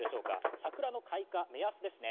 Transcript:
桜の開花、目安ですね。